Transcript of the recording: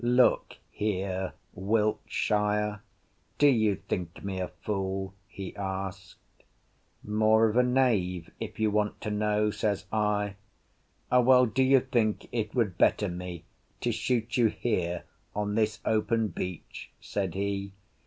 "Look here, Wiltshire, do you think me a fool?" he asked. "More of a knave, if you want to know," says I. "Well, do you think it would better me to shoot you here, on this open beach?" said he.